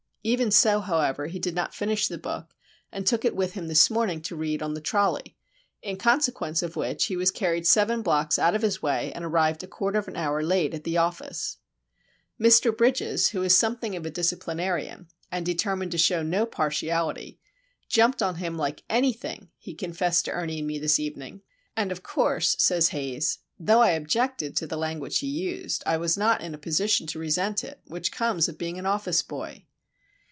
Even so, however, he did not finish the book, and took it with him this morning to read on the trolley;—in consequence of which he was carried seven blocks out of his way, and arrived a quarter of an hour late at the office! Mr. Bridges, who is something of a disciplinarian and determined to show no partiality, "jumped on him like anything" he confessed to Ernie and me this evening,—"And, of course," says Haze, "though I objected to the language he used, I was not in a position to resent it,—which comes of being an office boy!"